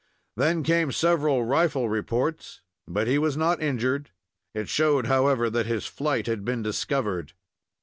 Then came several rifle reports, but he was not injured. It showed, however, that his flight had been discovered.